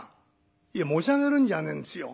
「いや持ち上げるんじゃねえんですよ。